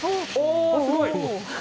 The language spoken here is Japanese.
すごい！